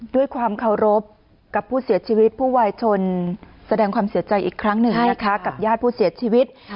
ด้วยความเคารพกับผู้เสียชีวิตผู้วายชนแสดงความเสียใจอีกครั้งหนึ่งนะคะกับญาติผู้เสียชีวิต